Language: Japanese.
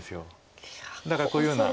だからこういうような。